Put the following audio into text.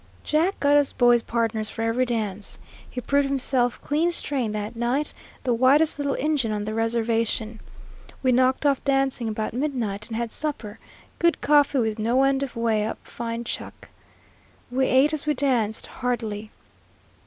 Jack got us boys pardners for every dance. He proved himself clean strain that night, the whitest little Injun on the reservation. We knocked off dancing about midnight and had supper, good coffee with no end of way up fine chuck. We ate as we danced, heartily.